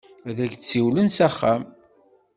Ad ak-d-siwlen s axxam.